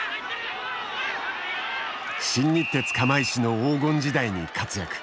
新日鉄釜石の黄金時代に活躍。